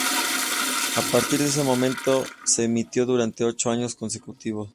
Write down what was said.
A partir de ese momento se emitió durante ocho años consecutivos.